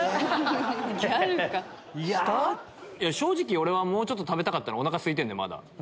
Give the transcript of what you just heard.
俺はもうちょっと食べたかったお腹すいてんのよまだ。